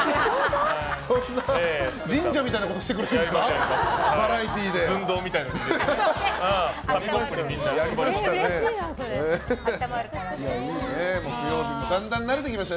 そんな神社みたいなことしてくれるんですか？